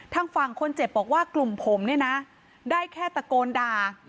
ทางฝั่งคนเจ็บบอกว่ากลุ่มผมเนี่ยนะได้แค่ตะโกนด่า